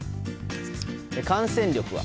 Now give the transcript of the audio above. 感染力は？